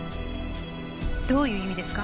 どういう意味ですか？